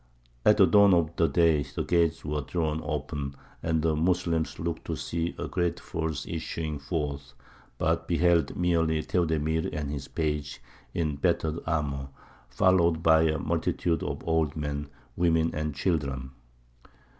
At the dawn of day the gates were thrown open, and the Moslems looked to see a great force issuing forth, but beheld merely Theodemir and his page, in battered armour, followed by a multitude of old men, women, and children.